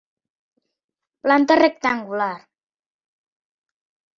Planta rectangular.